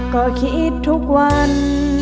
ก็คิดทุกวัน